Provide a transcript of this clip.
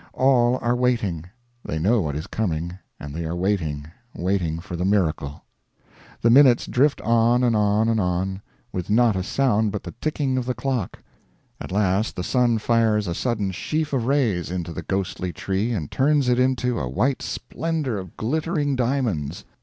All are waiting; they know what is coming, and they are waiting waiting for the miracle. The minutes drift on and on and on, with not a sound but the ticking of the clock; at last the sun fires a sudden sheaf of rays into the ghostly tree and turns it into a white splendor of glittering diamonds.